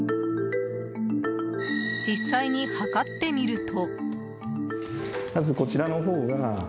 実際に測ってみると。